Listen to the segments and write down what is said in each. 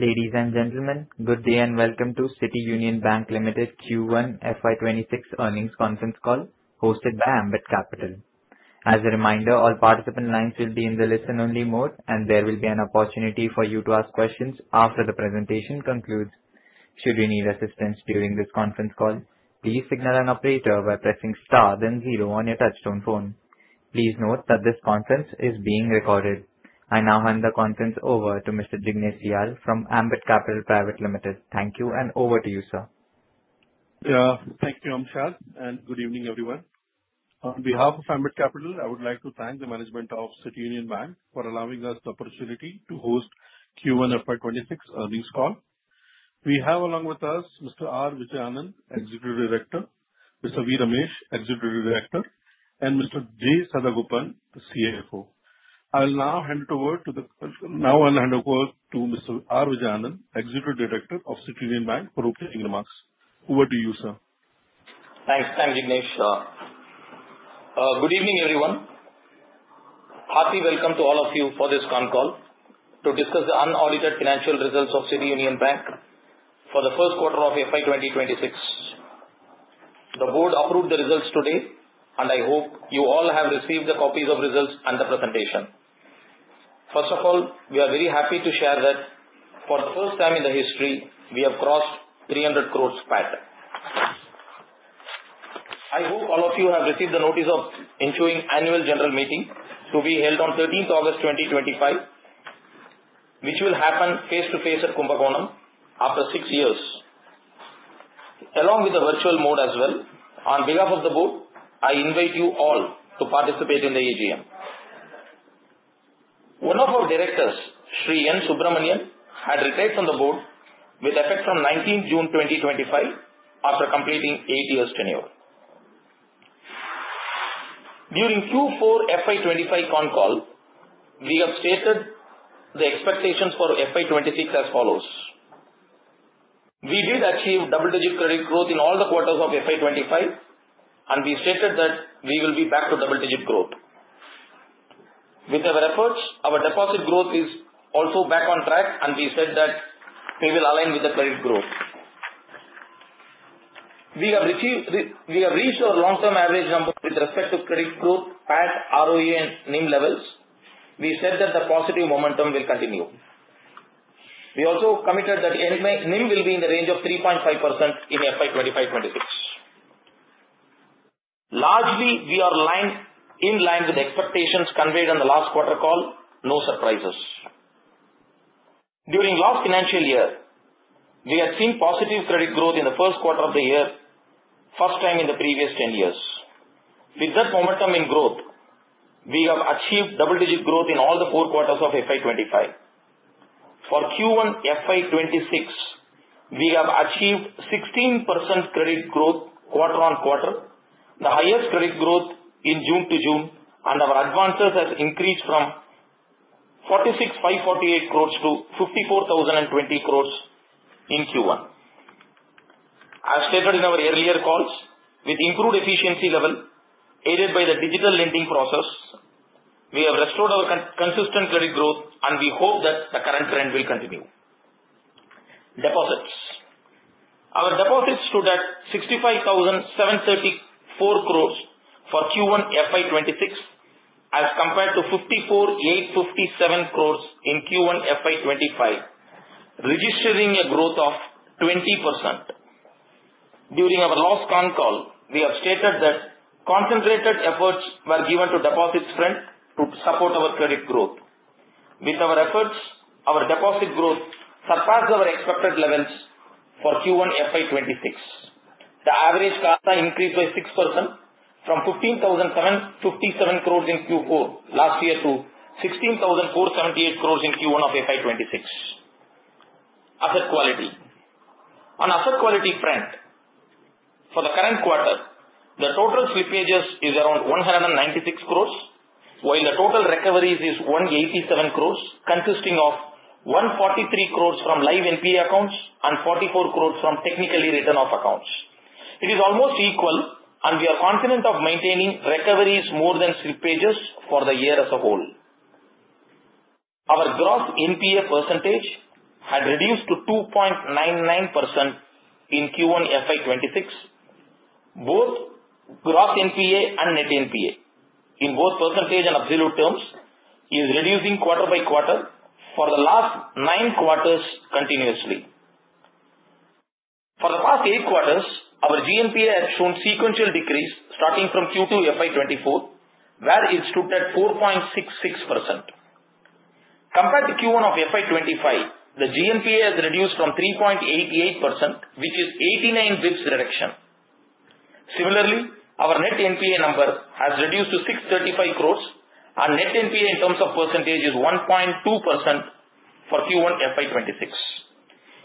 Ladies and gentlemen, good day and welcome to City Union Bank Limited Q1 FY26 Earnings Conference Call hosted by Ambit Capital. As a reminder, all participant lines will be in the listen-only mode, and there will be an opportunity for you to ask questions after the presentation concludes. Should you need assistance during this conference call, please signal an operator by pressing star then zero on your touchtone phone. Please note that this conference is being recorded. I now hand the conference over to Mr. Jignesh Shal from Ambit Capital. Thank you and over to you, sir. Yeah, thank you, Amshad, and good evening, everyone. On behalf of Ambit Capital, I would like to thank the management of City Union Bank for allowing us the opportunity to host Q1 FY26 Earnings Call. We have along with us Mr. R. Vijay Anandh, Executive Director, Mr. V. Ramesh, Executive Director, and Mr. J. Sadagopan, the CFO. I will now hand it over to Mr. R. Vijay Anandh, Executive Director of City Union Bank, for opening remarks. Over to you, sir. Thanks, thank you, Jignesh. Good evening, everyone. A hearty welcome to all of you for this conference call to discuss the unaudited financial results of City Union Bank Limited for the first quarter of FY2026. The board approved the results today, and I hope you all have received the copies of the results and the presentation. First of all, we are very happy to share that for the first time in history, we have crossed 300 crore PAT. I hope all of you have received the notice of ensuring the annual general meeting to be held on 13th August 2025, which will happen face-to-face at Kumbakonam after six years, along with a virtual mode as well. On behalf of the board, I invite you all to participate in the AGM. One of our directors, Sri N. Subramanian, had retired from the board with effect from 19 June 2025 after completing eight years tenure. During Q4 FY2025 conference call, we have stated the expectations for FY26 as follows. We did achieve double-digit credit growth in all the quarters of FY25, and we stated that we will be back to double-digit growth. With our efforts, our deposit growth is also back on track, and we said that we will align with the credit growth. We have reached our long-term average number with respect to credit growth, PAT, ROA, and NIM levels. We said that the positive momentum will continue. We also committed that NIM will be in the range of 3.5% in FY25/26. Largely, we are in line with expectations conveyed on the last quarter call. No surprises. During the last financial year, we had seen positive credit growth in the first quarter of the year, the first time in the previous 10 years. With that momentum in growth, we have achieved double-digit growth in all the four quarters of FY25. For Q1 FY26, we have achieved 16% credit growth quarter on quarter, the highest credit growth in June to June, and our advances have increased from 46,548 crore to 54,020 crore in Q1. As stated in our earlier calls, with increased efficiency level aided by the digital lending process, we have restored our consistent credit growth, and we hope that the current trend will continue. Deposits. Our deposits stood at 65,734 crore for Q1 FY26 as compared to 54,857 crore in Q1 FY25, registering a growth of 20%. During our last conference call, we have stated that concentrated efforts were given to deposit strength to support our credit growth. With our efforts, our deposit growth surpassed our expected levels for Q1 FY26. The average CASA increased by 6% from 15,757 crore in Q4 last year to 16,478 crore in Q1 of FY26. Asset quality. On the asset quality trend for the current quarter, the total slippages is around 196 crore, while the total recoveries is 187 crore, consisting of 143 crore from live NPA accounts and 44 crore from technically written off accounts. It is almost equal, and we are confident of maintaining recoveries more than slippages for the year as a whole. Our gross NPA percentage had reduced to 2.99% in Q1 FY26. Both gross NPA and net NPA, in both percentage and absolute terms, is reducing quarter by quarter for the last nine quarters continuously. For the past eight quarters, our gross NPA has shown a sequential decrease starting from Q2 FY24, where it stood at 4.66%. Compared to Q1 of FY25, the GNPA has reduced from 3.88%, which is an 89 basis points reduction. Similarly, our net NPA number has reduced to 635 crore, and net NPA in terms of percentage is 1.2% for Q1 FY26.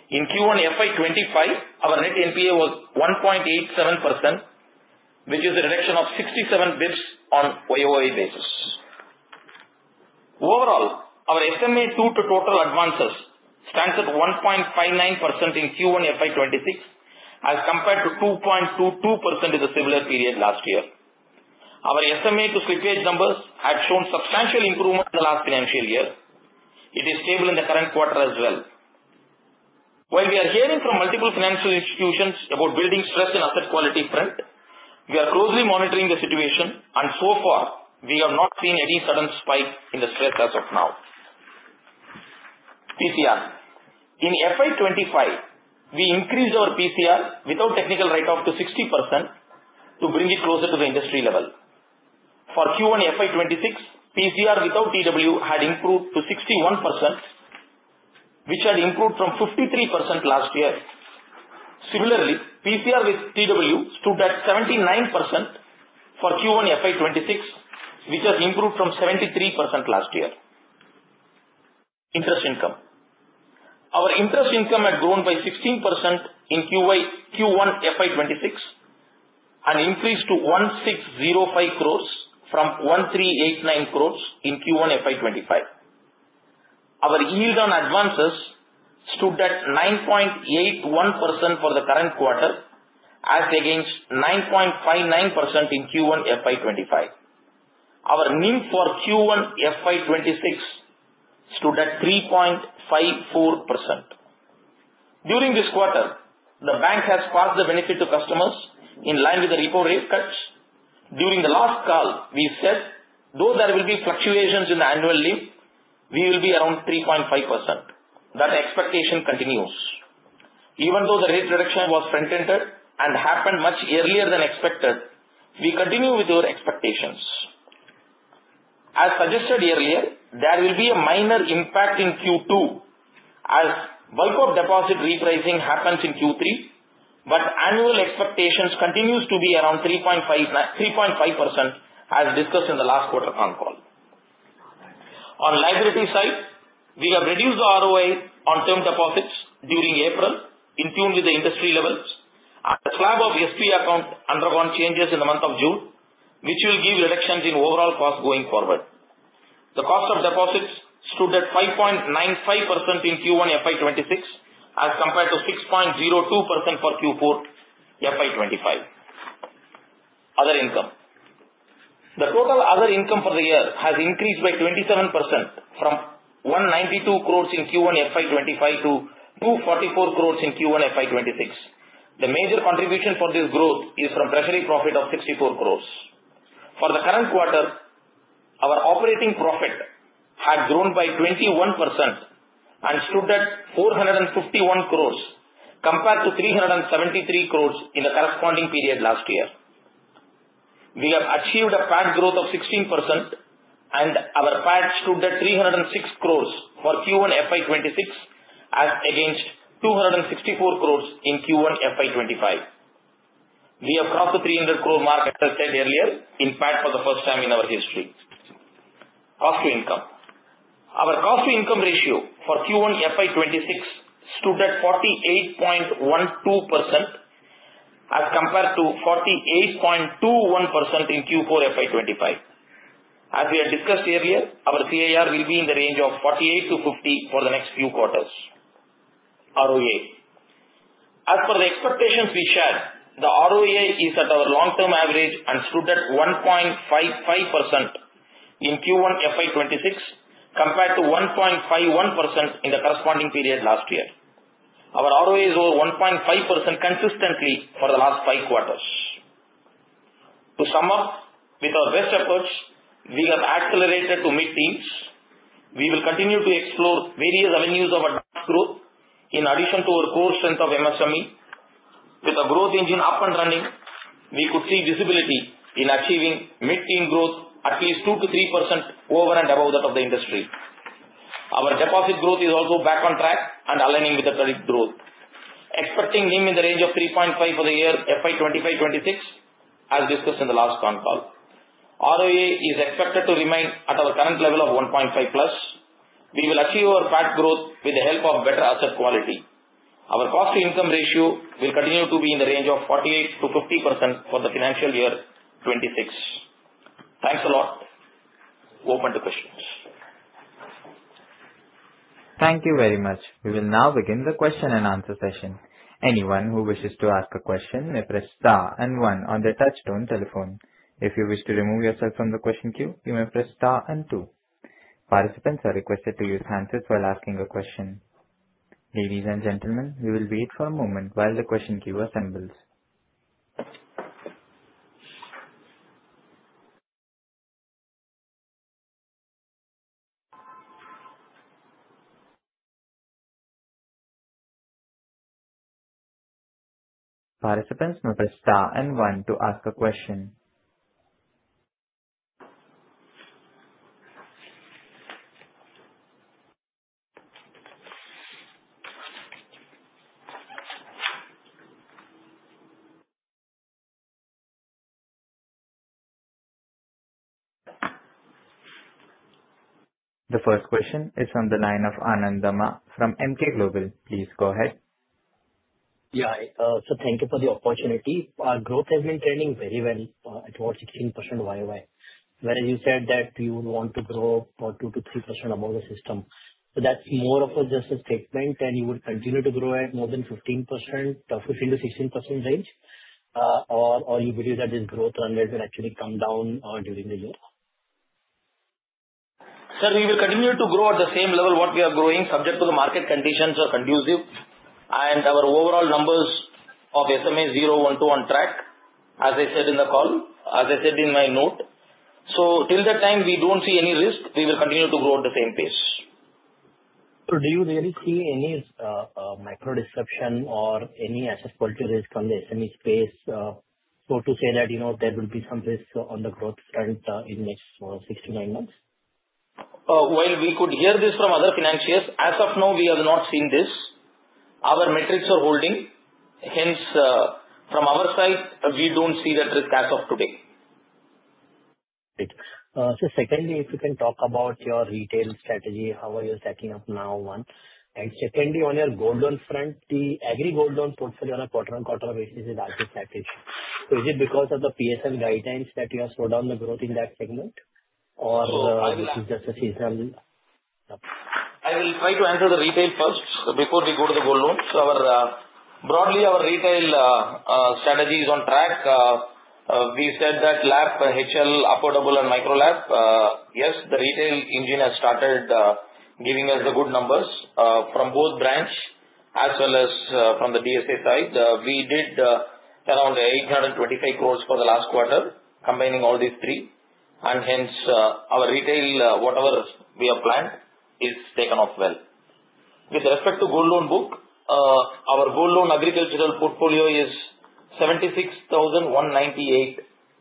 In Q1 FY25, our net NPA was 1.87%, which is a reduction of 67 basis points on a year-on-year basis. Overall, our estimated total advances stand at 1.59% in Q1 FY26 as compared to 2.22% in the similar period last year. Our estimated slippage numbers have shown substantial improvement in the last financial year. It is stable in the current quarter as well. While we are hearing from multiple financial institutions about building stress in asset quality trends, we are closely monitoring the situation, and so far, we have not seen any sudden spike in the stress as of now. PCR. In FY 2025, we increased our PCR without technical write-off to 60% to bring it closer to the industry level. For Q1 FY26, PCR without TW had increased to 61%, which had improved from 53% last year. Similarly, PCR with TW stood at 79% for Q1 FY26, which has improved from 73% last year. Interest income. Our interest income had grown by 16% in Q1 FY26 and increased to 1,605 crore from 1,389 crore in Q1 FY25. Our yield on advances stood at 9.81% for the current quarter, as against 9.59% in Q1 FY25. Our NIM for Q1 FY26 stood at 3.54%. During this quarter, the bank has passed the benefit to customers in line with the repo rate cuts. During the last call, we said though there will be fluctuations in the annual NIM, we will be around 3.5%. That expectation continues. Even though the rate reduction was front-ended and happened much earlier than expected, we continue with our expectations. As suggested earlier, there will be a minor impact in Q2 as bulk of deposit repricing happens in Q3, but annual expectations continue to be around 3.5% as discussed in the last quarter conference call. On the liability side, we have reduced the ROA on term deposits during April, in tune with the industry levels. The slab of S3 accounts undergone changes in the month of June, which will give reductions in overall costs going forward. The cost of deposits stood at 5.95% in Q1 FY26 as compared to 6.02% for Q4 FY25. Other income. The total other income for the year has increased by 27% from 192 crore in Q1 FY25 to 244 crore in Q1 FY26. The major contribution for this growth is from the treasury profit of 64 crore. For the current quarter, our operating profit had grown by 21% and stood at 451 crore rupees compared to 373 crore rupees in the corresponding period last year. We have achieved a PAN growth of 16%, and our PAN stood at 306 crore for Q1 FY26 as against 264 crore in Q1 FY25. We have crossed the 300 crore mark as I said earlier in PAN for the first time in our history. Cost to income. Our cost-to-income ratio for Q1 FY26 stood at 48.12% as compared to 48.21% in Q4 FY25. As we had discussed earlier, our PAR will be in the range of 48-50 for the next few quarters. ROA. As per the expectations we shared, the ROA is at our long-term average and stood at 1.55% in Q1 FY26 compared to 1.51% in the corresponding period last year. Our ROA is over 1.5% consistently for the last five quarters. To sum up, with our best efforts, we have accelerated to mid-teens. We will continue to explore various avenues of our growth in addition to our core strength of MSME. With our growth engine up and running, we could see visibility in achieving mid-teen growth at least 2%-3% over and above that of the industry. Our deposit growth is also back on track and aligning with the credit growth. Expecting NIM in the range of 3.5% for the year FY25/26, as discussed in the last conference call. ROA is expected to remain at our current level of 1.5%+. We will achieve our PAIA growth with the help of better asset quality. Our cost-to-income ratio will continue to be in the range of 48%-50% for the financial year 2026. Thanks a lot. Open to questions. Thank you very much. We will now begin the question and answer session. Anyone who wishes to ask a question may press star and one on their touchtone telephone. If you wish to remove yourself from the question queue, you may press star and two. Participants are requested to use handsets while asking a question. Ladies and gentlemen, we will wait for a moment while the question queue assembles. Participants may press star and one to ask a question. The first question is from the line of Anand Dama from Emkay Global. Please go ahead. Thank you for the opportunity. Our growth has been trending very, very at about 16% year on year. Whereas you said that you want to grow about 2%-3% above the system. That's more of just a statement than you would continue to grow at more than 15%, perhaps in the 16% range. Or you believe that this growth run rate will actually come down during the year? Sir, we will continue to grow at the same level what we are growing, subject to the market conditions are conducive, and our overall numbers of SMA 012 on track, as I said in the call, as I said in my note. Till that time, we don't see any risk. We will continue to grow at the same pace. Do you really see any micro-disruption or any asset purchases from the MSME space, to say that you know there will be some risk on the growth trends in the next six to nine months? We could hear this from other financiers. As of now, we have not seen this. Our metrics are holding. Hence, from our side, we don't see that risk as of today. Great. Secondly, if you can talk about your retail strategy, how are you setting up now? Secondly, on your Gold Loans front, the Agri Gold Loan portfolio in the quarter on quarter, which is a larger strategy. Is it because of the PSL guidelines that you have slowed down the growth in that segment, or is it just seasonal? I will try to answer the retail first before we go to the Gold Loans. Broadly, our retail strategy is on track. We said that LAB, HL, Affordable, and MicroLab, yes, the retail engine has started giving us the good numbers from both branch as well as from the DSA side. We did around 825 crore for the last quarter, combining all these three. Hence, our retail, whatever we have planned, has taken off well. With respect to Gold Loan book, our Gold Loan agricultural portfolio is 76,198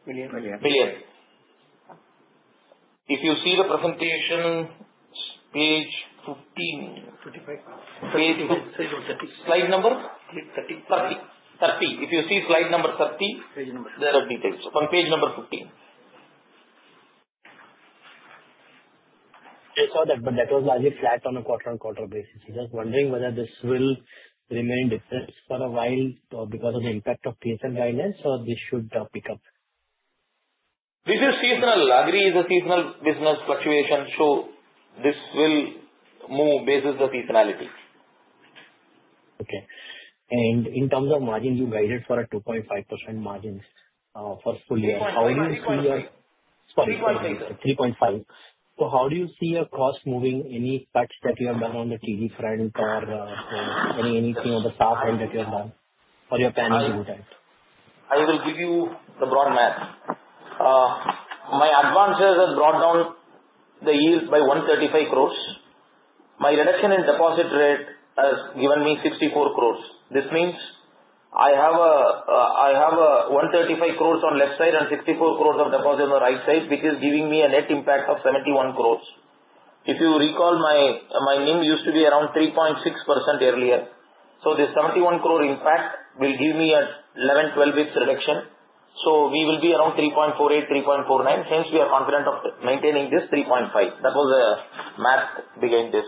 million. If you see the presentation, page 15, slide number 30. If you see slide number 30, there are details on page number 15. I saw that, but that was largely flagged on a quarter-on-quarter basis. I'm just wondering whether this will remain different for a while because of the impact of PSL guidelines, or this should pick up? This is seasonal. Agri is a seasonal business fluctuation, so this will move based on the seasonality. Okay. In terms of margins, you guided for a 2.5% margin for the first full year. How many? 3.5%. How do you see your cost moving? Any specs that you have done on the TV trend or anything of the SA trend that you have done for your panel? I will give you the broad math. My advances have brought down the yield by 135 crore. My reduction in deposit rate has given me 64 crore. This means I have 135 crore on the left side and 64 crore of deposit on the right side, which is giving me a net impact of 71 crore. If you recall, my NIM used to be around 3.6% earlier. This 71 crore impact will give me an 11 basis points, 12 basis points reduction. We will be around 3.48%, 3.49%. We are confident of maintaining this 3.5%. That was the math behind this.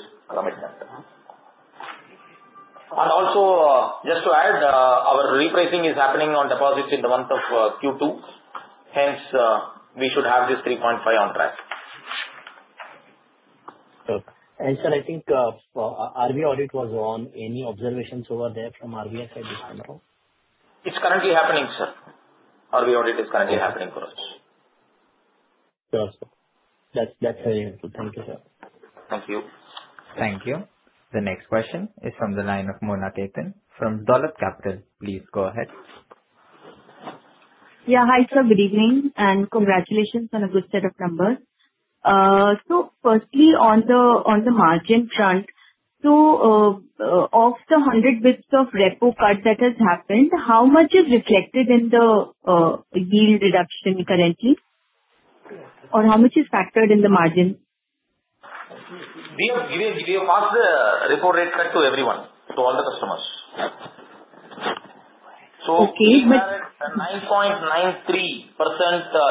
Also, just to add, our repricing is happening on deposits in the month of Q2. We should have this 3.5% on track. Okay. Sir, I think RV audit was on. Any observations over there from RV side just now? It's currently happening, sir. RV audit is currently happening for us. That's very helpful. Thank you, sir. Thank you. Thank you. The next question is from the line of Mona Khetan from Dolat Capital. Please go ahead. Yeah, hi, sir. Good evening and congratulations on a good set of numbers. Firstly, on the margin front, of the 100 basis points of repo cuts that have happened, how much is reflected in the yield reduction currently? How much is factored in the margin? We have passed the repo rate cut to everyone, to all the customers. 9.93%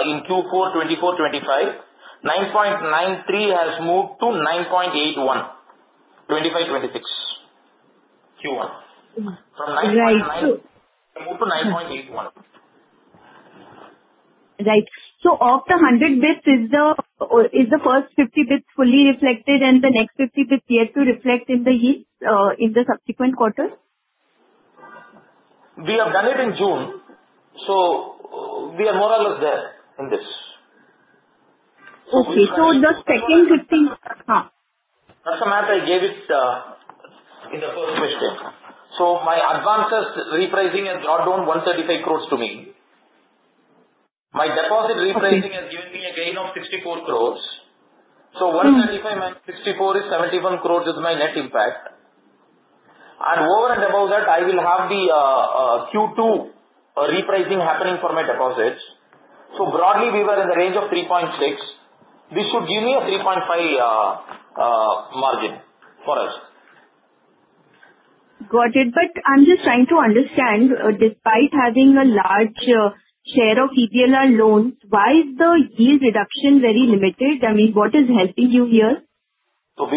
in Q4 2024-2025 9.93% has moved to 9.81% in Q2 2025-2026. Q1 from 9.93% moved to 9.81%. Right. Of the 100 basis points, is the first 50 basis points fully reflected and the next 50 basis points yet to reflect in the subsequent quarter? We have done it in June, so we are more or less there in this. It's on a strong footing. That's the math I gave in the first question. My advances repricing has brought down 135 crore to me. My deposit repricing has given me a gain of 64 crore. 135 minus 64 is 71 crore with my net impact. Over and above that, I will have the Q2 repricing happening for my deposits. Broadly, we were in the range of 3.6%. This would give me a 3.5% margin for us. Got it. I'm just trying to understand, despite having a large share of EBLR loan, why is the yield reduction very limited? I mean, what is helping you here? If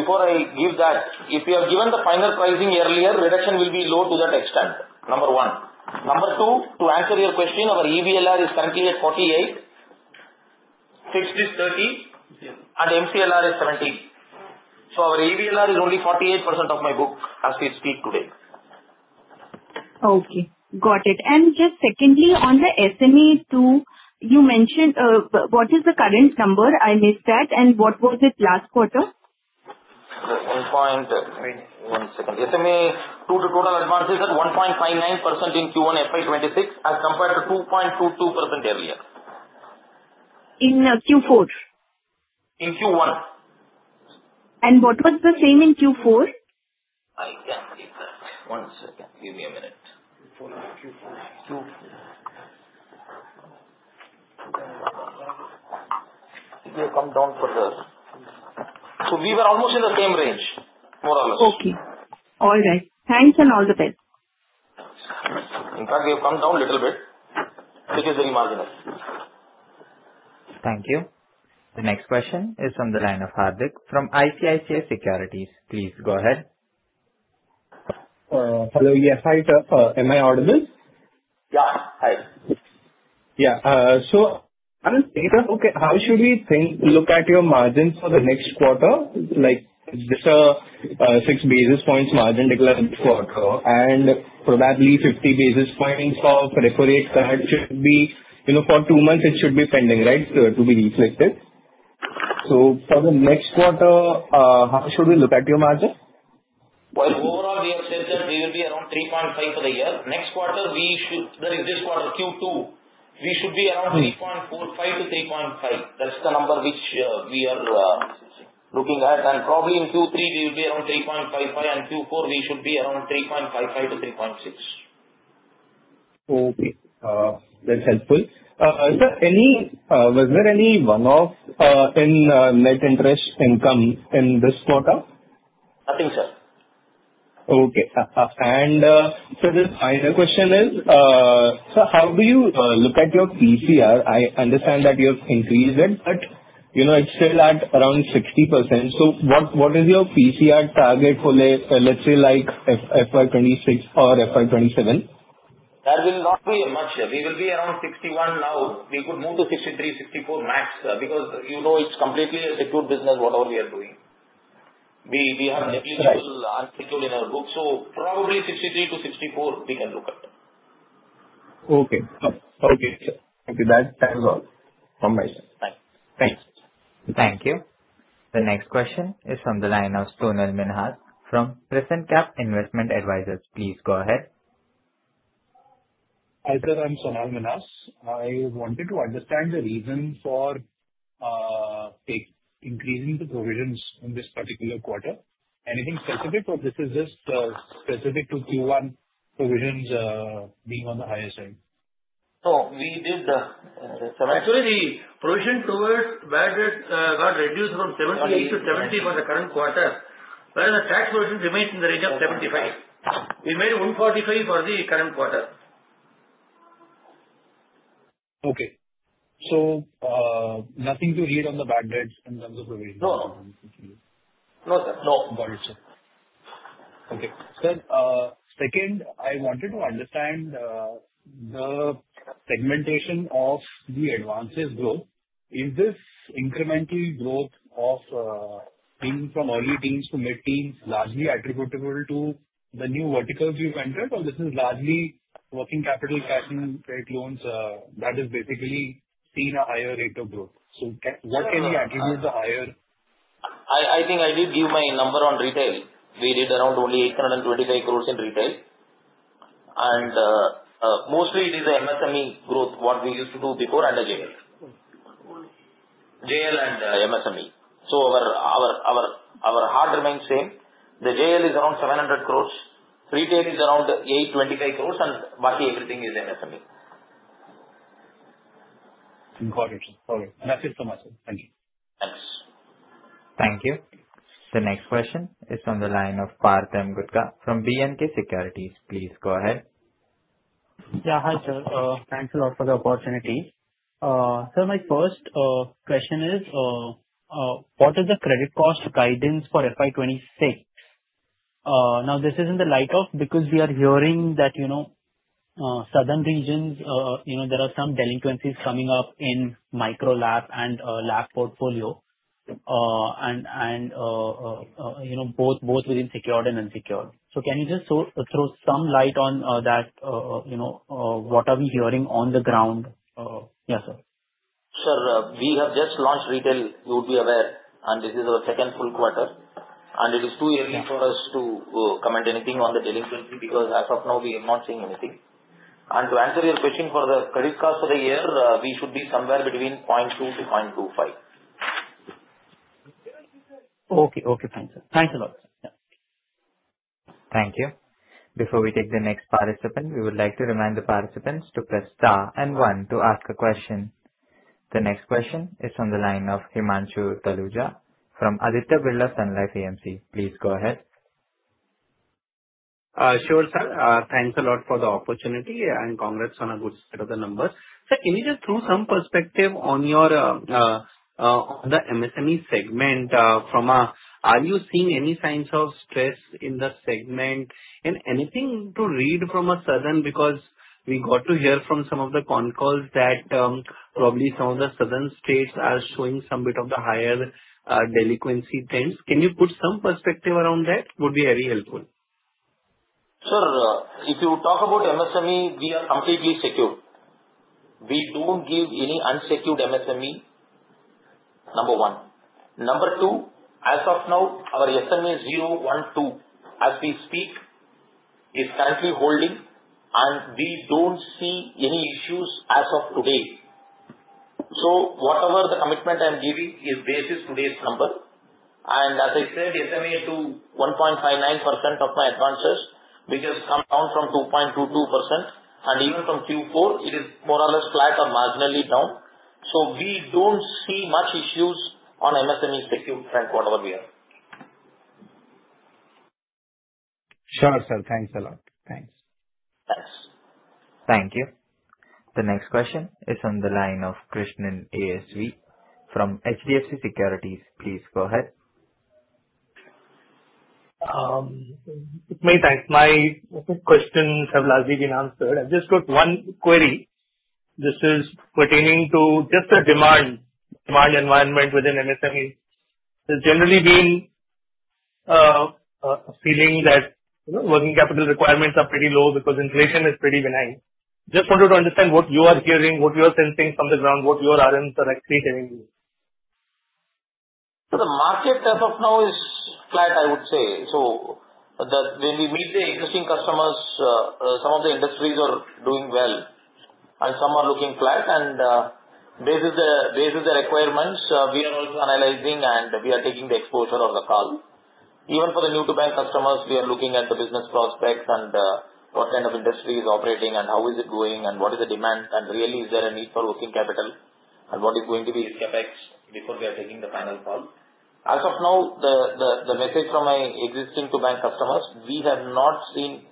we have given the final pricing earlier, reduction will be low to that extent, number one. Number two, to answer your question, our EBLR is currently at 48%, fixed is 30%, and MCLR is 70%. Our EBLR is only 48% of my book as it speaks today. Okay. Got it. Just secondly, on the SMA 2, you mentioned what is the current number? I missed that. What was it last quarter? One second. SMA 2 to total advances at 1.59% in Q1 FY26 as compared to 2.22% earlier. In Q4? In Q1. What was the same in Q4? I can see. Give me a minute. We have come down for the... We were almost in the same range, more or less. Okay, all right. Thanks and all the best. In fact, we have come down a little bit, which is very marginal. Thank you. The next question is from the line of Habib from ICICI Securities. Please go ahead. Hello. Yes, hi sir. Am I audible? Yeah, hi. I don't think it was okay. How should we think, look at your margins for the next quarter? Like just a 6 basis points margin declared for account and probably 50 basis points of repo rate cut should be, you know, for two months, it should be pending, right, to be reflected. For the next quarter, how should we look at your margin? Overall, we have said that we will be around 3.5% for the year. Next quarter, we should be around 3.45%-3.5%. That's the number which we are looking at. Probably in Q3, we will be around 3.55%, and Q4, we should be around 3.55%-3.6%. Okay, that's helpful. Was there any run-off in net interest income in this quarter? Nothing, sir. Okay. Sir, the final question is, sir, how do you look at your PCR? I understand that you have increased it, but you know it's still at around 60%. What is your PCR target for, let's say, like FY26 or FY27? That will not be much. We will be around 61% now. We could move to 63%, 64% max because you know it's completely a secured business, whatever we are doing. We have net legal unsecured in our group, so probably 63%-64% we can look at. Okay, thank you. Thank you. That's all. All right, thanks. Thank you. The next question is from the line of Sonal Minhas from Prescient Cap Investment Advisors. Please go ahead. Hi, I'm Sonal Minhas. I wanted to understand the reason for increasing the provisions in this particular quarter. Anything specific, or is this just specific to Q1 provisions being on the highest range? Actually, the provision flow is where this got reduced from 78 to 70 for the current quarter, whereas the tax provision remains in the range of 75. We made 145 for the current quarter. Okay, nothing to read on the back end in terms of provisions. No, no, sir. No worries, sir. Okay. I wanted to understand the segmentation of the advances growth. Is this incremental growth of team from early teens to mid-teens largely attributable to the new verticals you've entered, or is this largely working capital cash and trade loans that have basically seen a higher rate of growth? What can we attribute the higher? I think I did give my number on retail. We did around only 825 crore in retail, and mostly it is the MSME growth, what we used to do before and the JL. JL and MSME. Our hard remains same. The JL is around 700 crore. Retail is around 825 crore, and the rest is MSME. Got it. Okay, that's it for myself. Thank you. Thank you. The next question is from the line of Partham Gutta from BNK Securities. Please go ahead. Yeah, hi, sir. Thanks a lot for the opportunity. Sir, my first question is, what is the credit cost guidance for FY26? This is in the light of because we are hearing that, you know, southern regions, you know, there are some delinquencies coming up in MicroLab and Lab portfolio, and you know, both within secured and unsecured. Can you just throw some light on that, you know, what are we hearing on the ground? Yes, sir. Sir, we have just launched retail, you would be aware, and this is our second full quarter. It is too early for us to comment anything on the delinquency because as of now, we are not seeing anything. To answer your question for the credit cost for the year, we should be somewhere between 0.2%-0.25%. Okay. Okay. Thanks, sir. Thanks a lot. Thank you. Before we take the next participant, we would like to remind the participants to press star and one to ask a question. The next question is from the line of Himanshu Taluja from Aditya Birla Sun Life AMC. Please go ahead. Sure, sir. Thanks a lot for the opportunity and congrats on a good set of the numbers. Sir, can you just throw some perspective on your, on the MSME segment? Are you seeing any signs of stress in the segment? Is there anything to read from a southern because we got to hear from some of the conference calls that probably some of the southern states are showing some bit of the higher delinquency trends. Can you put some perspective around that? It would be very helpful. Sir, if you talk about MSME, we are completely secured. We don't give any unsecured MSME, number one. Number two, as of now, our SMA 012, as we speak, is currently holding, and we don't see any issues as of today. Whatever the commitment I'm giving is based on today's numbers. As I said, SMA is to 1.59% of my advances, which is down from 2.22%. Even from Q4, it is more or less flat or marginally down. We don't see much issues on MSME security trend, whatever we are. Sure, sir. Thanks a lot. Thanks. Thank you. The next question is on the line of Krishnan ASV from HDFC Securities. Please go ahead. Many thanks. My questions have largely been answered. I've just got one query. This is pertaining to just a demand environment within MSME. There's generally been a feeling that working capital requirements are pretty low because inflation is pretty benign. Just wanted to understand what you are hearing, what you are sensing from the ground, what your RMs are actually telling you. The market as of now is flat, I would say. When we say existing customers, some of the industries are doing well, and some are looking flat. Basically, the requirements, we are also analyzing, and we are taking the exposure or the call. Even for the new-to-bank customers, we are looking at the business prospects and what kind of industry is operating, how it is going, what is the demand, and really is there a need for working capital and what is going to be its CapEx because we are taking the panel call. As of now, the message from my existing-to-bank customers, we have not seen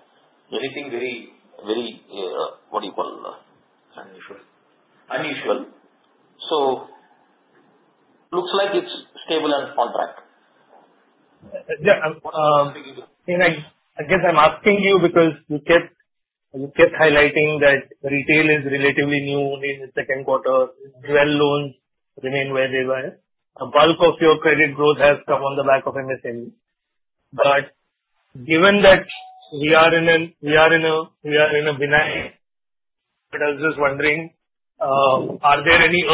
anything very, very, what do you call? Unusual. Unusual. It looks like it's stable and small branch. Yeah, I guess I'm asking you because you kept highlighting that retail is relatively new only in the second quarter. Loans remain where they were. A bulk of your credit growth has come on the back of MSME. Given that we are in a benign, I was just wondering, are there any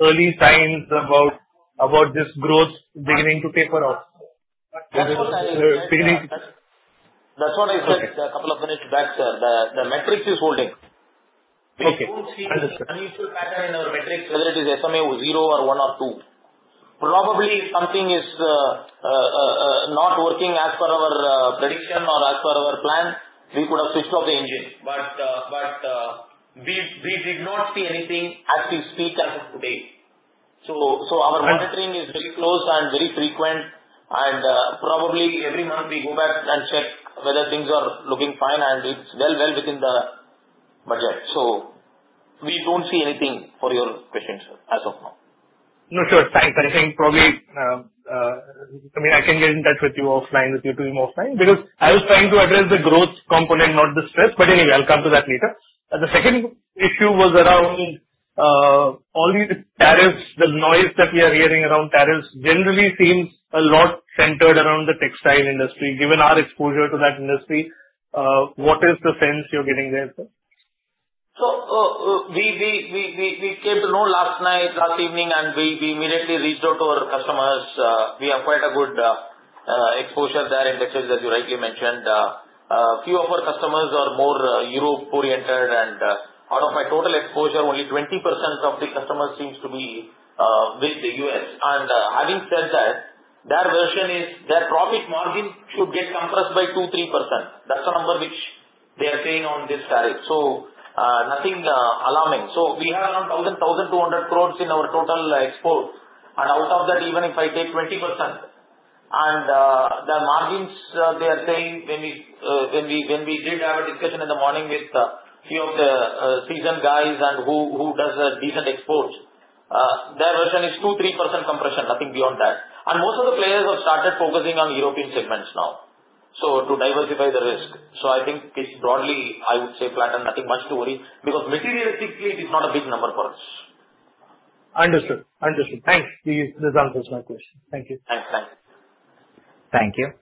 early signs about this growth beginning to taper off? That's what I said a couple of minutes back, sir. The metrics is holding. Okay. Understood. unusual pattern in our metrics, whether it is SMA 0 or 1 or 2. Probably something is not working as per our prediction or as per our plan. We could have switched off the engine. We did not see anything as we speak as of today. Our monitoring is very close and very frequent. Probably every month we go back and check whether things are looking fine and it's well within the budget. We don't see anything for your question, sir, as of now. No, sir. Thanks. I think probably I can get in touch with you offline with your team offline because I was trying to address the growth component, not the stress, but anyway, I'll come to that later. The second issue was around all the tariffs. The noise that we are hearing around tariffs generally seems a lot centered around the textile industry. Given our exposure to that industry, what is the sense you're getting there, sir? We came to know last night, last evening, and we immediately reached out to our customers. We have quite a good exposure there in textiles, as you rightly mentioned. A few of our customers are more Europe-oriented, and out of my total exposure, only 20% of the customers seem to be with the U.S. Having said that, their version is their profit margin could get compressed by 2%, 3%. That's the number which they are saying on this tariff. Nothing alarming. We have around 1,000 crore, 1,200 crore in our total exposure. Out of that, even if I take 20%, and their margins, they are telling when we did have a discussion in the morning with a few of the seasoned guys and who does a decent exposure, their version is 2%, 3% compression, nothing beyond that. Most of the players have started focusing on European segments now to diversify the risk. I think it's broadly, I would say, flat and nothing much to worry because materially, it is not a big number for us. Understood. Understood. Thanks. This answers my question. Thank you. Thanks. Thanks. Thank you.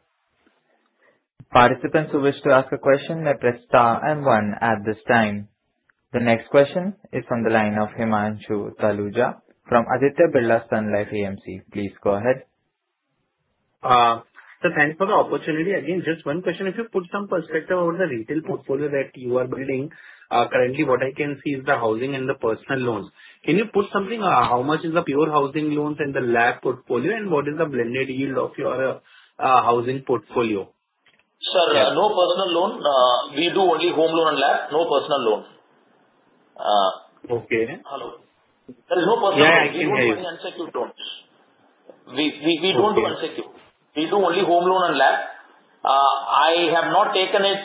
Participants who wish to ask a question may press star and one at this time. The next question is from the line of Himanshu Taluja from Aditya Birla Sun Life AMC. Please go ahead. Sir, thanks for the opportunity. Again, just one question. If you put some perspective over the retail portfolio that you are building, currently, what I can see is the housing and the personal loans. Can you put something on how much is the pure housing loans and the LAB portfolio, and what is the blended yield of your housing portfolio? Sir, no personal loan. We do only home loan and LAB. No personal loans. Okay. Hello. There is no personal loan. Yeah, I can see unsecured loans. We don't do unsecured. We do only home loan and LAB. I have not taken it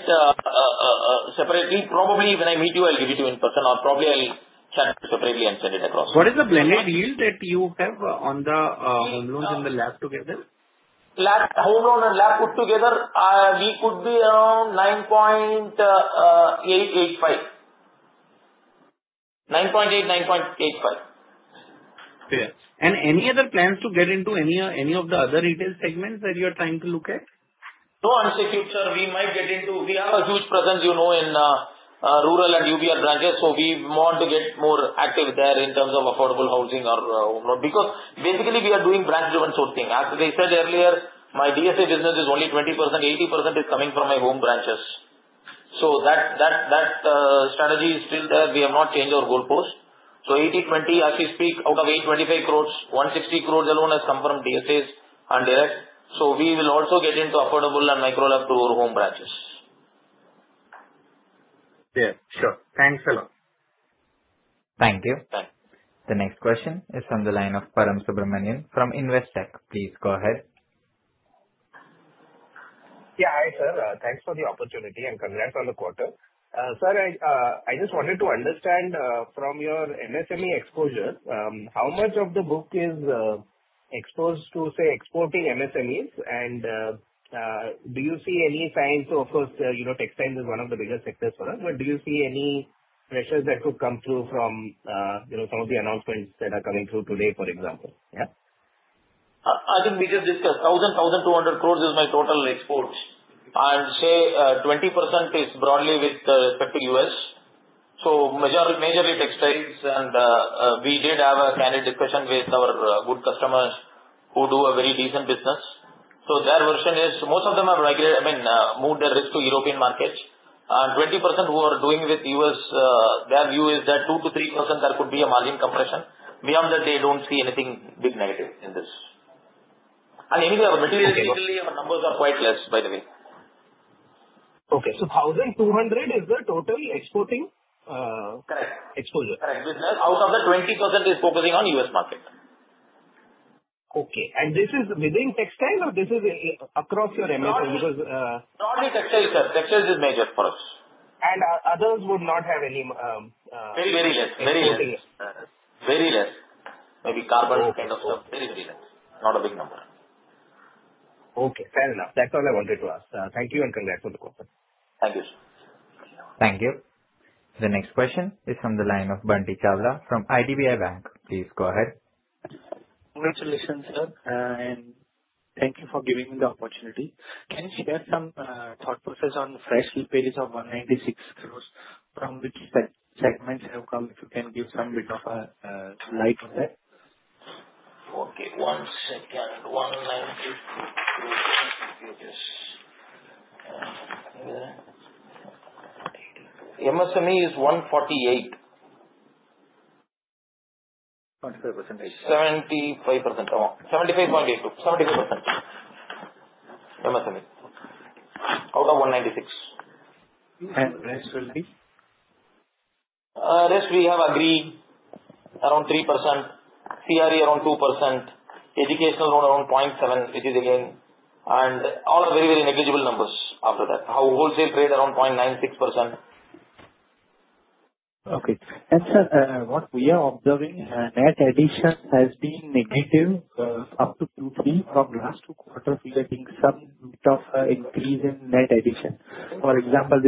separately. Probably when I meet you, I'll give it to you in person, or probably I'll send it separately and send it across. What is the blended yield that you have on the home loans and the LAB together? Home loan and LAB put together, we could be around 9.85, 9.8, 9.85. Okay. Are there any other plans to get into any of the other retail segments that you're trying to look at? No unsecured, sir. We might get into, we have a huge presence, you know, in rural and UBL branches. We want to get more active there in terms of affordable housing or home loan because basically, we are doing branch-driven sorting. As they said earlier, my DSA business is only 20%. 80% is coming from my home branches. That strategy is still there. We have not changed our goalpost. 80/20, as we speak, out of 825 crore, 160 crore alone has come from DSAs and direct. We will also get into affordable and MicroLab to our home branches. Yeah, sure. Thanks a lot. Thank you. The next question is from the line of Param Subramanian from Investec. Please go ahead. Yeah, hi, sir. Thanks for the opportunity and congrats on the quarter. Sir, I just wanted to understand from your MSME exposure, how much of the book is exposed to, say, exporting MSMEs? Do you see any signs? Textiles is one of the biggest sectors for us. Do you see any pressures that could come through from some of the announcements that are coming through today, for example? Yeah. I think we just discussed 1,000 crore, 1,200 crore is my total exports. 20% is broadly with the respective U.S., majorly textiles. We did have a candid discussion with our good customers who do a very decent business. Their version is most of them have regular, I mean, moved their risk to European markets. 20% who are doing with the U.S., their view is that 2%-3% there could be a margin compression. Beyond that, they don't see anything big negative in this. Anyway, our numbers are quite less, by the way. so 1,200 crore is the total exporting? Correct. Exposure. Correct. Business. Out of that, 20% is focusing on U.S. market. Is this within textiles or is this across your MSME? Probably textiles, sir. Textiles is major for us. Others would not have any? Very, very less. Very less. Very less. Maybe carbon kind of stuff, very, very less. Not a big number. Okay. Fair enough. That's all I wanted to ask. Thank you and congrats for the quarter. Thank you, sir. Thank you. The next question is from the line of Bunty Chawla from IDBI Bank. Please go ahead. Congratulations, sir. Thank you for giving me the opportunity. Can you share some thought process on freshly paid off 196 crore, from which segments have come? If you can give some bit of a light on that. Okay. Yeah, the one line, see, MSME is 148. 75%. MSME. Out of 196. The rest will be? Rest, we have Agri around 3%, CRE around 2%, educational loan around 0.7%, which is again, and all are very, very negligible numbers after that. Wholesale trade around 0.96%. Okay. As for what we are observing, net addition has been negative up to 2, 3. From last two quarters, we were seeing some bit of an increase in net addition. For example,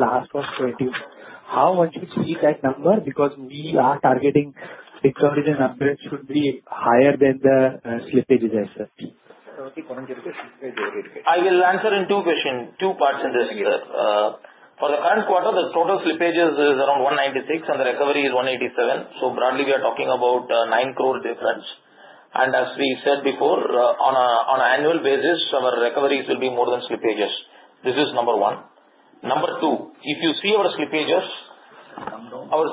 last was 20%. How much is that number? Because we are targeting 600 and upwards should be higher than the slippage is as such. I will answer in two questions, two parts of this here. For the current quarter, the total slippage is around 196 crore and the recovery is 187 crore. We are talking about a 9 crore difference. As we said before, on an annual basis, our recoveries will be more than slippages. This is number one. Number two, if you see our slippages, our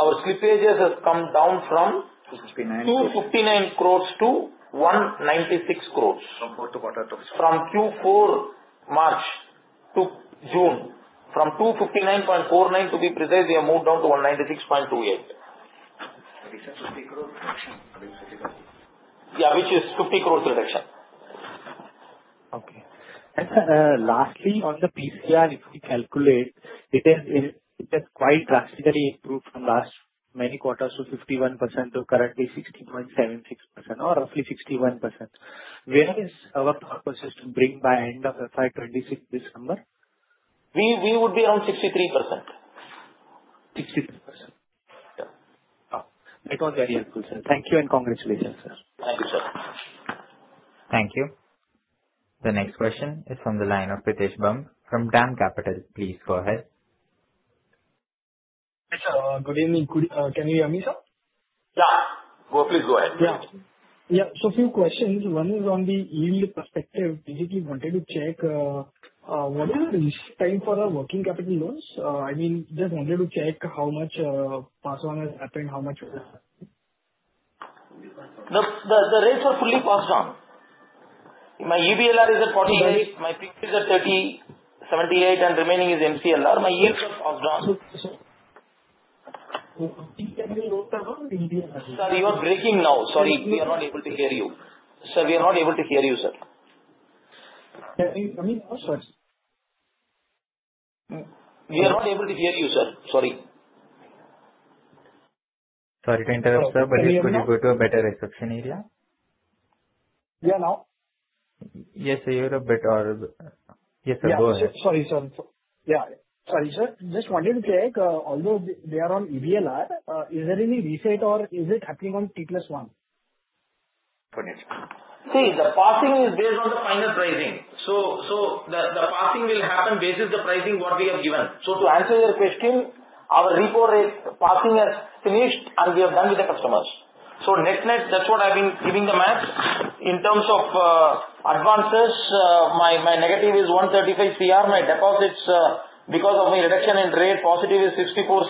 slippages have come down from 259 crore to 196 crore. From what quarter? From Q4 March to June, from 259.49 to be presented, we have moved down to 196.28. Which is INR 50 crore reduction? Yeah, which is 50 crore reduction. Okay. Lastly, on the PCR, if you calculate, it has quite drastically improved from last many quarters to 51% to currently 60.76% or roughly 61%. Where is our purpose to bring by end of FY26 this number? We would be around 63%. 63%. Yeah. Oh, it was very helpful, sir. Thank you and congratulations, sir. Happy sir. Thank you. The next question is from the line of Pritesh Bumb from DAM Capital. Please go ahead. Good evening. Can you hear me, sir? Yeah. Go ahead. Yeah. A few questions. One is on the yield perspective. Basically, I wanted to check, what is the position time for our working capital loans? I mean, just wanted to check how much passed on has happened, how much? The rates are fully passed on. My EBLR is at 48%, my fixed is at 30%, 78%, and remaining is MCLR. My yields are passed on. Can you note that one? Sir, you are breaking now. Sorry, we are not able to hear you. Sir, we are not able to hear you, sir. We are not able to hear you, sir. Sorry. Sorry to interrupt, sir, but could you go to a better reception area? Yeah, now? Yes, sir. Go ahead. Sorry, sir. Just wanted to check, although they are on EBLR, is there any reset or is it happening on T plus one? The passing is based on the final pricing. The passing will happen based on the pricing we have given. To answer your question, our repo rate passing has finished and we have done with the customers. Net net, that's what I've been giving the maths. In terms of advances, my negative is 135 crore. My deposits, because of my reduction in rate, positive is 64 crore.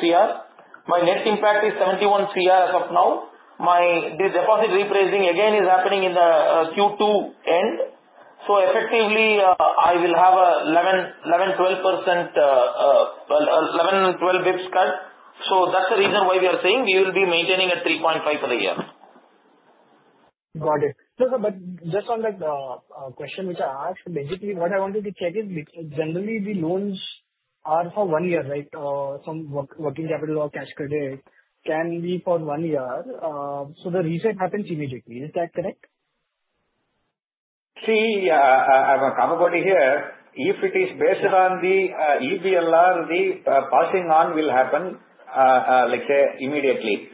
My net impact is 71 crore as of now. My deposit repricing, again, is happening in the Q2 end. Effectively, I will have an 11 basis points, 12 basis points cut. That's the reason why we are saying we will be maintaining at 3.5% for the year. Got it. Sir, just on that question which I asked, basically, what I wanted to check is generally the loans are for one year, right? Or some working capital or cash credit can be for one year. The reset happens immediately. Is that correct? See, I have a comment on here. If it is based on the EBLR, the passing on will happen, let's say, immediately.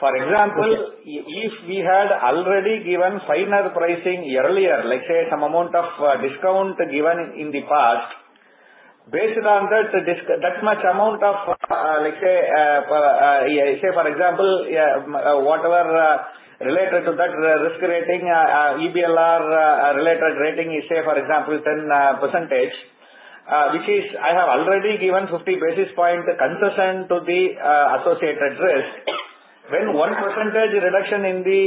For example, if we had already given finer pricing earlier, let's say, some amount of discount given in the past, based on that, that much amount of, let's say, say for example, whatever related to that risk rating, EBLR-related rating is, say, for example, 10%, which is I have already given 50 basis point 10% to the associated risk. When 1% reduction in the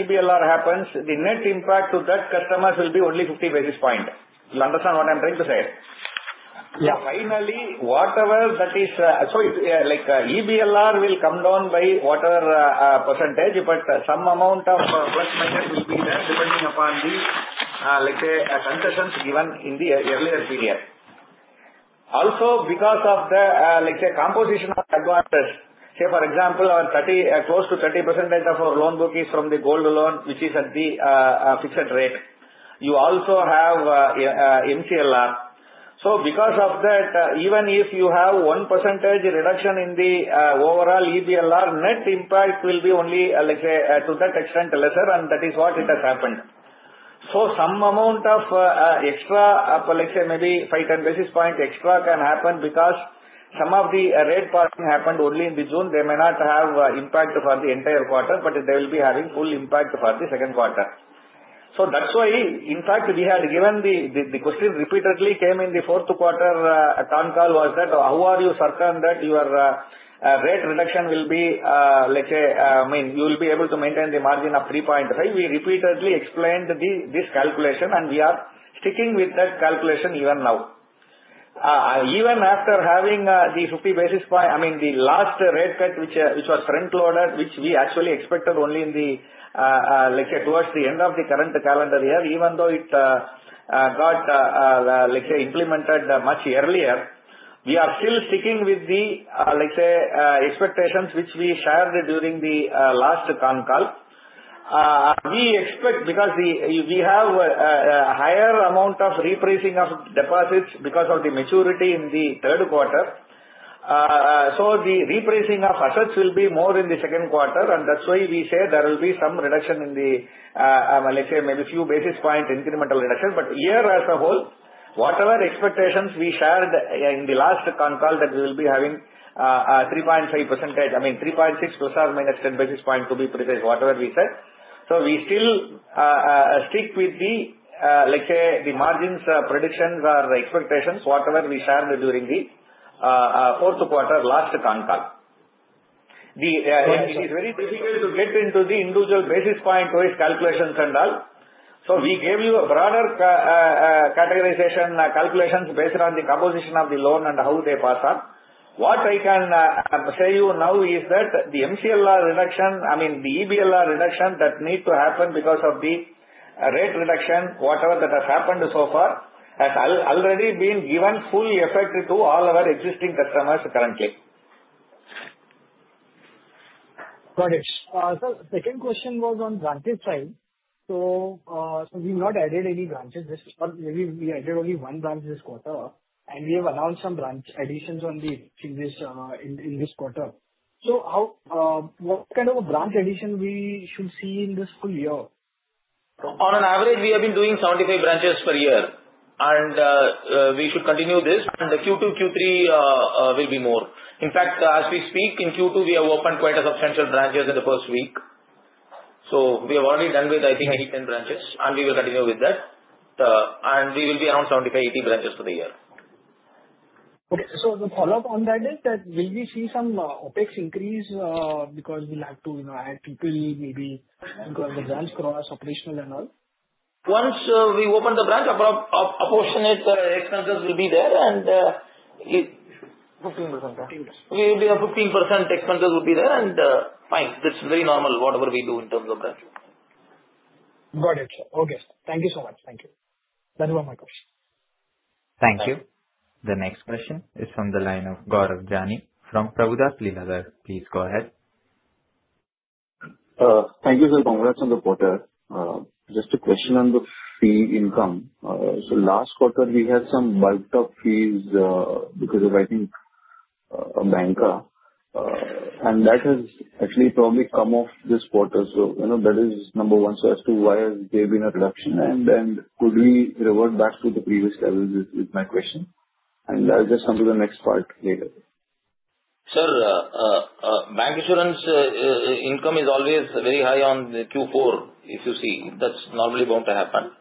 EBLR happens, the net impact to that customer will be only 50 basis point. You understand what I'm trying to say? Yeah. Finally, whatever that is, EBLR will come down by whatever percentage, but some amount of first measures will be depending upon the, let's say, consistence given in the earlier period. Also, because of the, let's say, composition of advances, say, for example, close to 30% of our loan book is from the gold alone, which is at the fixed rate. You also have MCLR. Because of that, even if you have 1% reduction in the overall EBLR, net impact will be only, let's say, to that extent lesser, and that is what it has happened. Some amount of extra, let's say, maybe 5 basis points, 10 basis point extra can happen because some of the rate passing happened only in the June. They may not have impact for the entire quarter, but they will be having full impact for the second quarter. That's why, in fact, we had given the question repeatedly came in the fourth quarter at the phone call was that, how are you certain that your rate reduction will be, let's say, I mean, you will be able to maintain the margin of 3.5%? We repeatedly explained this calculation, and we are sticking with that calculation even now. Even after having the 50 basis point, I mean, the last rate cut, which was front-loaded, which we actually expected only in the, let's say, towards the end of the current calendar year, even though it got, let's say, implemented much earlier, we are still sticking with the, let's say, expectations, which we shared during the last conference call. We expect because we have a higher amount of repricing of deposits because of the maturity in the third quarter. The repricing of assets will be more in the second quarter, and that's why we say there will be some reduction in the, let's say, maybe a few basis point incremental reduction. Here as a whole, whatever expectations we shared in the last conference call that we will be having 3.5%, I mean, 3.6%+ 10 basis points to be priced as whatever we said. We still stick with the, let's say, the margins predictions or expectations, whatever we shared during the fourth quarter last conference call. It is very difficult to get into the individual basis point, those calculations and all. We gave you a broader categorization calculations based on the composition of the loan and how they pass on. What I can say to you now is that the MCLR reduction, I mean, the EBLR reduction that needs to happen because of the rate reduction, whatever that has happened so far, has already been given full effect to all our existing customers currently. Got it. Sir, the second question was on branches side. We've not added any branches. We added only one branch this quarter, and we have announced some branch additions in this quarter. What kind of a branch addition should we see in this full year? On an average, we have been doing 75 branches per year, and we should continue this. In Q2, Q3 will be more. In fact, as we speak, in Q2, we have opened quite a substantial number of branches in the first week. We have already done with, I think, 8, 10 branches, and we will continue with that. We will be around 75 branches-80 branches for the year. Okay, the follow-up on that is, will we see some OpEx increase because we'll have to add Q2 maybe because the grants cross operational and all? Once we open the branch, a portion of the expenses will be there. 15%. Yeah, 15% expenses will be there, and fine. That's very normal, whatever we do in terms of branches. Got it. Okay. Thank you so much. Thank you. Thank you very much. Thank you. The next question is from the line of Gaurav Jani from Prabhudas Lilladher. Please go ahead. Thank you, sir. Congrats on the quarter. Just a question on the fee income. Last quarter, we had some bumped up fees because of, I think, a banker, and that has actually probably come off this quarter. That is number one. As to why has there been a reduction, and then could we revert back to the previous levels is my question. I'll just come to the next part later. Sir, bancassurance income is always very high in Q4, if you see. That is normally going to happen.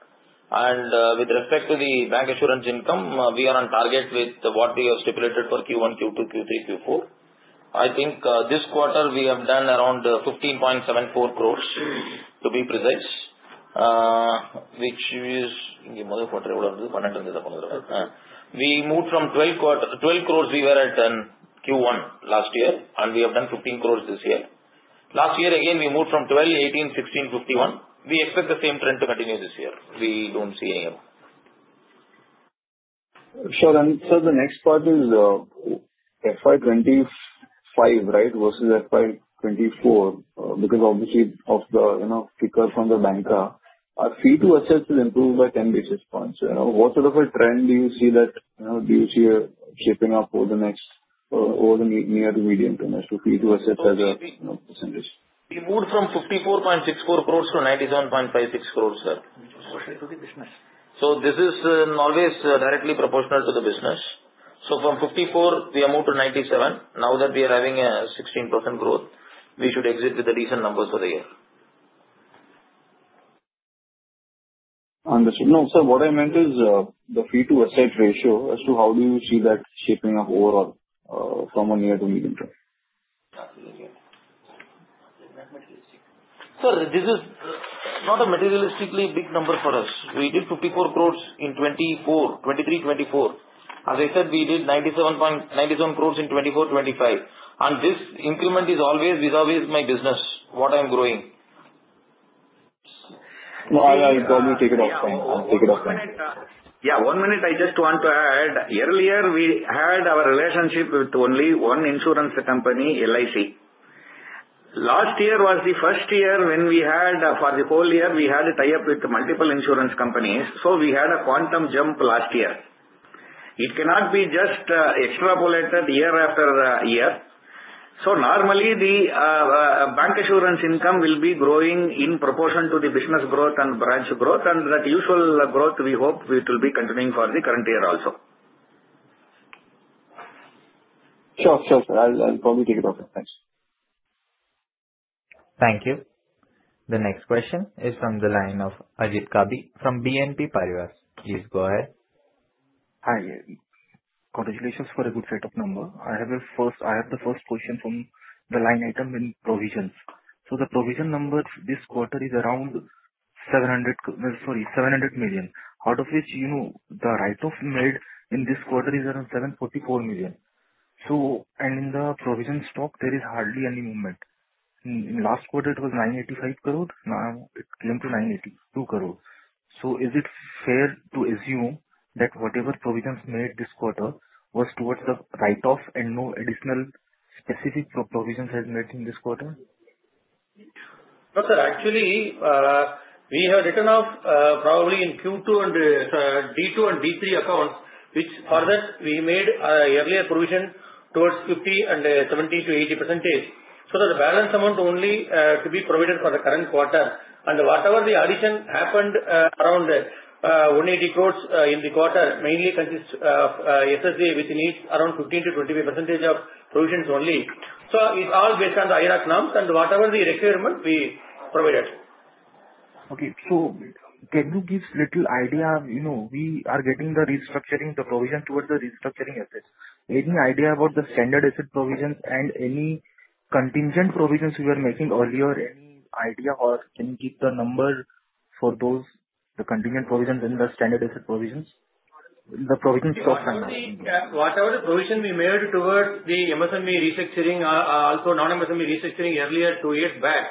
With respect to the bancassurance income, we are on target with what we have stipulated for Q1, Q2, Q3, Q4. I think this quarter, we have done around INR 15.74 crore to be precise, which is, you know, the quarter overall, we moved from 12 crore we were at in Q1 last year, and we have done 15 crore this year. Last year, again, we moved from 12, 18, 16, 51. We expect the same trend to continue this year. We do not see anything. Sure. Sir, the next part is FY25, right, versus FY24 because obviously of the kick-off from the banker. Our fee to assets has improved by 10 basis points. What sort of a trend do you see shaping up over the next or over the near to medium term as to fee to assets as a percentage? We moved from 54.64 crore to 97.56 crore, sir. This is always directly proportional to the business. From 54 crore, we have moved to IINR 97 crore. Now that we are having a 16% growth, we should exit with a decent number for the year. Understood. No, sir, what I meant is the fee to asset ratio, as to how do you see that shaping up overall from a near to medium term. Sir, this is not a materially big number for us. We did 54 crore in 2023, 2024. As I said, we did 97 crore in 2024, 2025. This increment is always vis-à-vis my business, what I'm growing. No, I'll probably take it offline. One minute. I just want to add, earlier, we had our relationship with only one insurance company, LIC. Last year was the first year when we had, for the whole year, a tie-up with multiple insurance companies. We had a quantum jump last year. It cannot be just extrapolated year after year. Normally, the bancassurance income will be growing in proportion to the business growth and branch growth, and that usual growth, we hope, will be continuing for the current year also. Sure. I'll probably take it off. Thank you. The next question is from the line of Ajit Kabi from BNP Paribas. Please go ahead. Hi. Congratulations for a good set of numbers. I have the first question from the line item in provisions. The provision number this quarter is around 700 million, out of which the write-off made in this quarter is around 744 million. In the provision stock, there is hardly any movement. In last quarter, it was 985 crore. Now it came to 982 crore. Is it fair to assume that whatever provisions made this quarter was towards the write-off and no additional specific provisions have emerged in this quarter? No, sir. Actually, we have written off probably in Q2 and D2 and D3 accounts, for which we made an earlier provision towards 50 and 70%-80%. The balance amount only to be provided for the current quarter. Whatever the addition happened, around 180 crore in the quarter, mainly consists of SSD, which needs around 15%-25% of provisions only. It's all based on the IRA clamps and whatever the requirements we provided. Okay. Can you give a little idea of, you know, we are getting the restructuring, the provision towards the restructuring effects? Any idea about the standard asset provisions and any contingent provisions we were making earlier? Any idea or can you give the numbers for those, the contingent provisions and the standard asset provisions? The provisions for finance. See, whatever the provision we made towards the MSME restructuring, also non-MSME restructuring earlier two years back,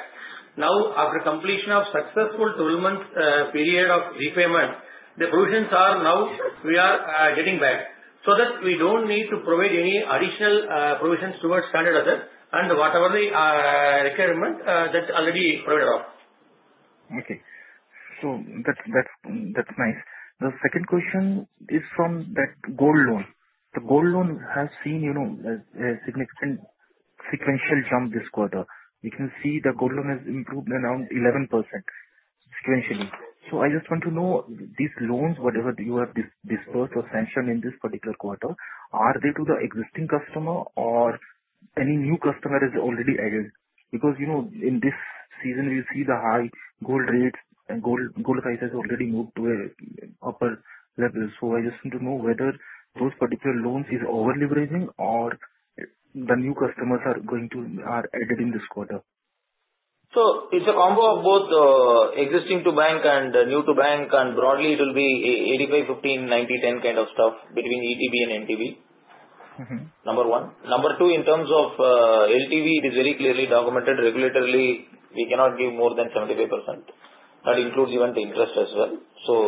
now after completion of successful 12-month period of repayment, the provisions are now we are getting back, so that we don't need to provide any additional provisions towards standard assets, and whatever the requirements that already provided off. Okay. That's nice. The second question is from that Gold Loan. The Gold Loan has seen a significant sequential jump this quarter. You can see the gold loan has improved around 11% sequentially. I just want to know these loans, whatever you have disbursed or sanctioned in this particular quarter, are they to the existing customer or any new customer has already added? In this season, you see the high gold rate and gold prices already moved to an upper level. I just need to know whether those particular loans are over-leveraging or the new customers are going to add it in this quarter. It is a combo of both the existing-to-bank and new-to-bank, and broadly, it will be 85/15, 90/10 kind of stuff between ETB and NTB, number one. Number two, in terms of LTV, it is very clearly documented regulatorily. We cannot give more than 75%. That includes even the interest as well.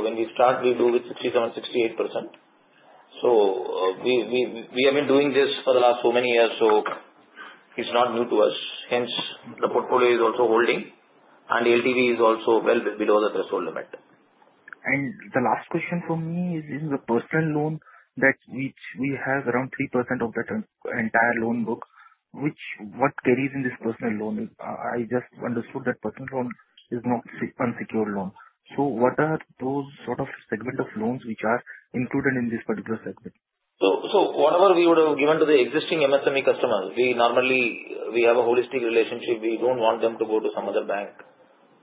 When we start, we do with 67%, 68%. We have been doing this for the last so many years, so it's not new to us. Hence, the portfolio is also holding, and LTV is also well below the threshold limit. The last question for me is in the personal loan that we have around 3% of the entire loan book. Which, what carries in this personal loan? I just understood that personal loan is not a secured loan. What are those sort of segments of loans which are included in this particular segment? Whatever we would have given to the existing MSME customers, we normally have a holistic relationship. We don't want them to go to some other bank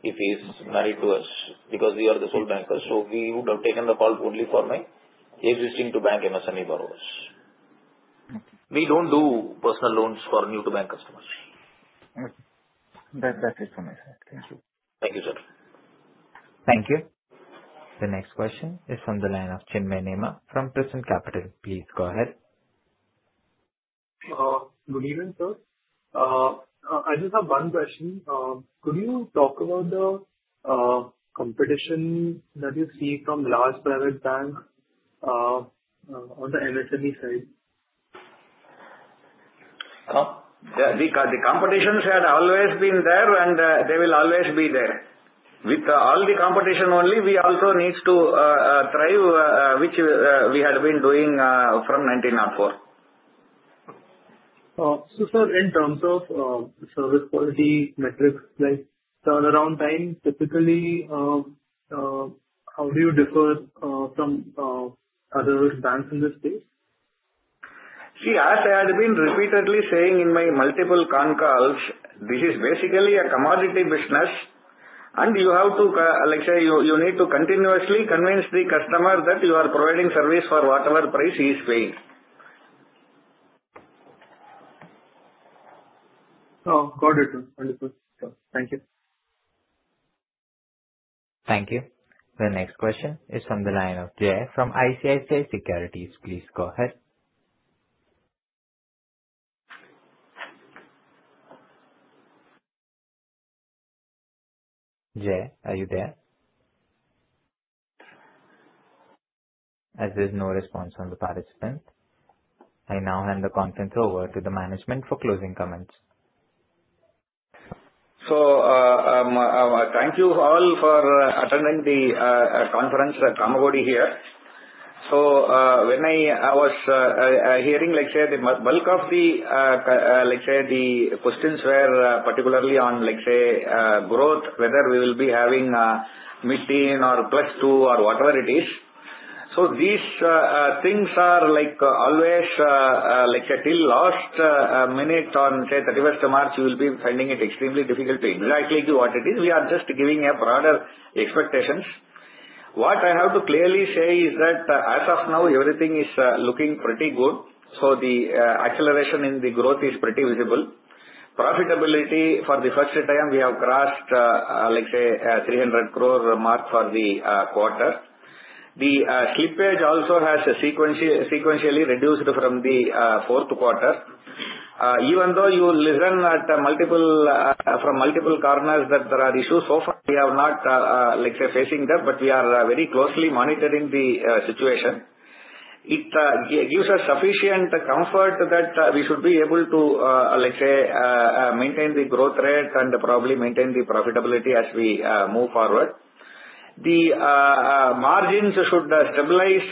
if he is married to us because we are the full banker. We would have taken the calls only for my existing-to-bank MSME borrowers. We don't do personal loans for new-to-bank customers. Okay, that's it from my side. Thank you. Thank you, sir. Thank you. The next question is from the line of Chinmay Neema from Prescient Capital. Please go ahead. Good evening, sir. I just have one question. Could you talk about the competition that you've seen from the large private banks on the MSME side? The competition has always been there, and they will always be there. With all the competition only, we also need to thrive, which we had been doing from 1994. Sir, in terms of service quality metrics, like turnaround time, typically, how do you differ from other banks in the U.S.? See, as I had been repeatedly saying in my multiple conference calls, this is basically a commodity business, and you have to, let's say, you need to continuously convince the customer that you are providing service for whatever price he is paying. Oh, got it. Understood. Thank you. Thank you. The next question is from the line of Jai from ICICI Securities. Please go ahead. Jai, are you there? As there's no response from the participant, I now hand the conference over to the management for closing comments. Thank you all for attending the conference, the camaraderie here. When I was hearing, the bulk of the questions were particularly on growth, whether we will be having mid-teen or plus two or whatever it is. These things are always, till last minute on 31st of March, we will be finding it extremely difficult to exactly do what it is. We are just giving a broader expectation. What I have to clearly say is that as of now, everything is looking pretty good for the acceleration in the growth, it is pretty visible. Profitability, for the first time, we have crossed a 300 crore mark for the quarter. The slippage also has sequentially reduced from the fourth quarter. Even though you listen from multiple corners that there are issues, so far, we have not faced that, but we are very closely monitoring the situation. It gives us sufficient comfort that we should be able to maintain the growth rate and probably maintain the profitability as we move forward. The margins should stabilize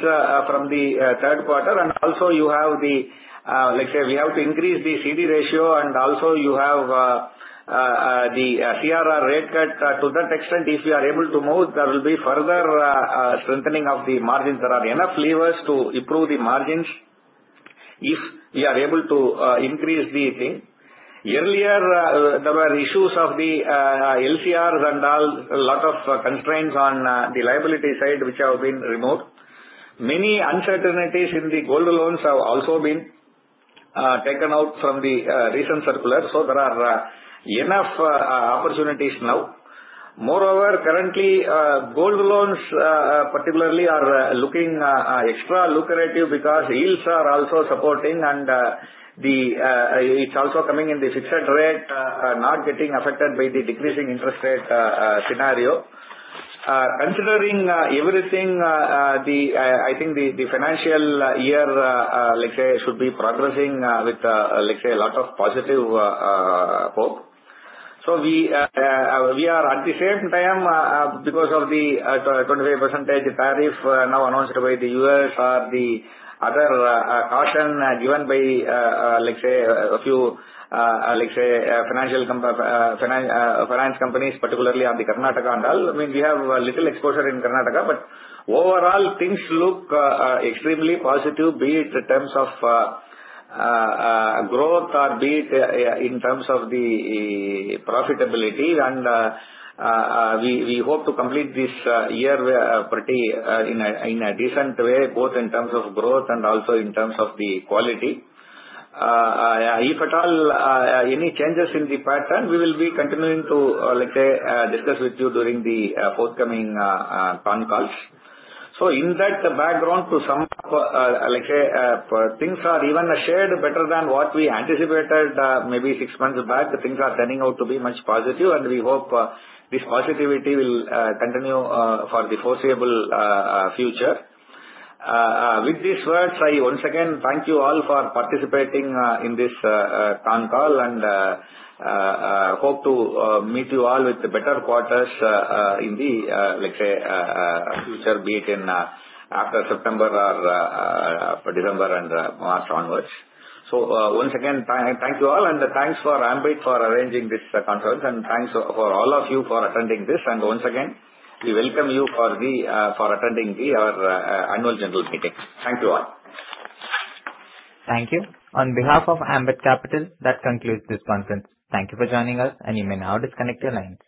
from the third quarter, and also we have to increase the CD ratio, and also you have the TRR rate cut. To that extent, if you are able to move, there will be further strengthening of the margins. There are enough levers to improve the margins if you are able to increase the thing. Earlier, there were issues of the LCRs and a lot of constraints on the liability side, which have been removed. Many uncertainties in the gold loans have also been taken out from the recent circular. There are enough opportunities now. Moreover, currently, Gold Loans particularly are looking extra lucrative because yields are also supporting, and it's also coming in the fixed rate and not getting affected by the decreasing interest rate scenario. Considering everything, I think the financial year should be progressing with a lot of positive hope. We are anticipating because of the 25% tariff now announced by the U.S. or the other caution given by a few finance companies, particularly on Karnataka and all. I mean, we have a little exposure in Karnataka, but overall, things look extremely positive, be it in terms of growth or be it in terms of the profitability. We hope to complete this year in a decent way, both in terms of growth and also in terms of the quality. If at all, any changes in the pattern, we will be continuing to, let's say, discuss with you during the forthcoming conference calls. In that background, to some, let's say, things are even shared better than what we anticipated maybe six months back. Things are turning out to be much positive, and we hope this positivity will continue for the foreseeable future. With these words, I once again thank you all for participating in this conference call and hope to meet you all with better quarters in the, let's say, future, be it in after September or December and March onwards. Once again, thank you all, and thanks to Ambit for arranging this conference, and thanks to all of you for attending this. Once again, we welcome you for attending our annual general meeting. Thank you all. Thank you. On behalf of Ambit Capital, that concludes this conference. Thank you for joining us, and you may now disconnect your line.